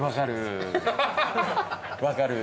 分かる！